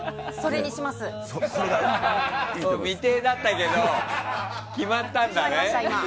未定だったけど決まったんだね。